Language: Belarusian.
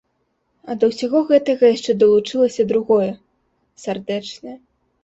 А да ўсяго гэтага яшчэ далучылася другое, сардэчнае.